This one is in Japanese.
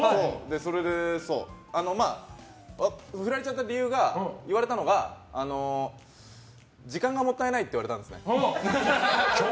それで、振られちゃった理由で言われたのが時間がもったいないって言われたんですね。